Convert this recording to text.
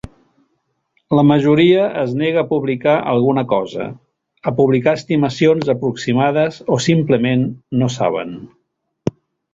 La majoria es nega a publicar alguna cosa, a publicar estimacions aproximades o simplement no saben.